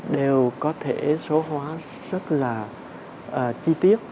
đều có thể số hóa rất là chi tiết